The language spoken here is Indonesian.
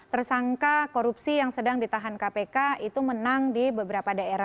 tersangka korupsi yang sedang ditahan kpk itu menang di beberapa daerah